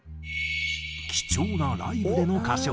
貴重なライブでの歌唱。